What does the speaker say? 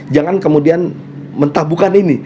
jangan kemudian menetapukan ini